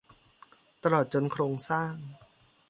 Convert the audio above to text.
ตลอดจนโครงสร้าง